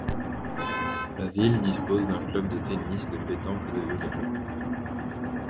La ville dispose aussi d'un club de tennis, de pétanque et de yoga.